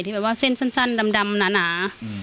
ที่แปลว่าเส้นสั้นดำหนา